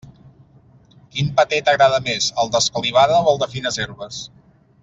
Quin paté t'agrada més, el d'escalivada o el de fines herbes?